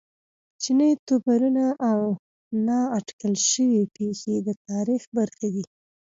کوچني توپیرونه او نا اټکل شوې پېښې د تاریخ برخې دي.